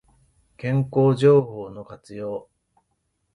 健康情報の活用